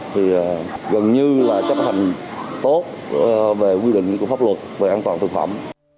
thì gần như là chấp hành tốt về quy định của pháp luật về an toàn thực phẩm